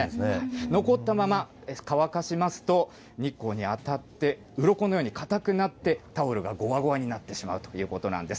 残ったまま乾かしますと、日光に当たって、うろこのように固くなってタオルがごわごわになってしまうということなんです。